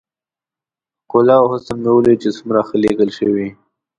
ښکلا او حسن مې وليد چې څومره ښه ليکل شوي.